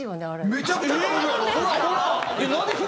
めちゃくちゃ取れるやろ？